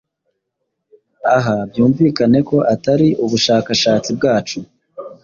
Aha byumvikaneko Atari ubushakashatsi bwacu